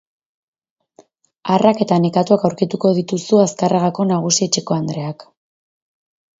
harrak eta nekatuak aurkituko dituzu Azkarragako nagusi-etxekoandreak.